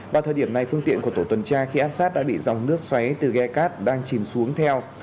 vào thời điểm này phương tiện của tổ tuần tra khi áp sát đã bị dòng nước xoáy từ ghe cát đang chìm xuống theo